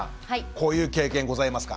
こういう経験ございますか？